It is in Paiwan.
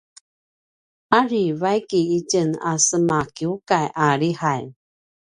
uri vaik itjen a semakiukay a lihay